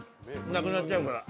なくなっちゃうから。